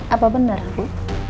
apa benar bu